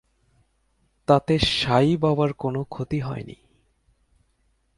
তাতে সাই বাবার কোনো ক্ষতি হয়নি।